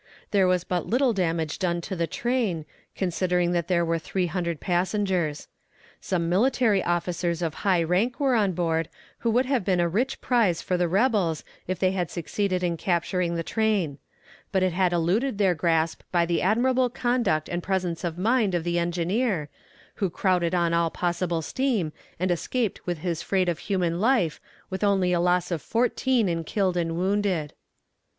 There was but little damage done to the train, considering that there were three hundred passengers. Some military officers of high rank were on board, who would have been a rich prize for the rebels if they had succeeded in capturing the train; but it had eluded their grasp by the admirable conduct and presence of mind of the engineer, who crowded on all possible steam, and escaped with his freight of human life with only a loss of fourteen in killed and wounded.